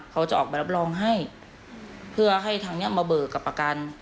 เขาจะออกไปรับรองให้เพื่อให้ทางนี้มาเบิกกับประกัน